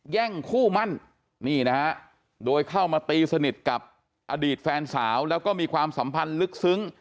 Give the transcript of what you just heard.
แย่งคู่มั่นนี่นะฮะโดยเข้ามาตีสนิทกับอดีตแฟนสาวแล้วก็มีความสัมพันธ์ลึกซึ้ง